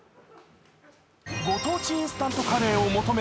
ご当地インスタントカレーを求め